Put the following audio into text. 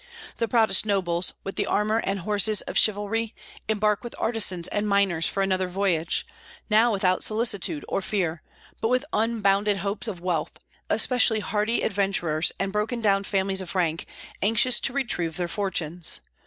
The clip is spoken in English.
The proudest nobles, with the armor and horses of chivalry, embark with artisans and miners for another voyage, now without solicitude or fear, but with unbounded hopes of wealth, especially hardy adventurers and broken down families of rank anxious to retrieve their fortunes.